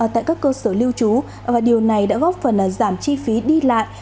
tại các cơ sở lưu trú điều này đã góp phần giảm chi phí đi lại